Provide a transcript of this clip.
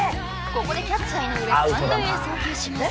ここでキャッチャー井上三塁へ送球します